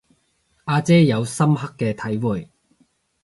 阿姐有深刻嘅體會